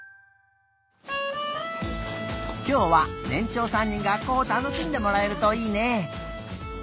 きょうはねんちょうさんに学校をたのしんでもらえるといいね。